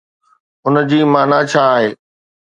ان جي معنيٰ ڇا آهي؟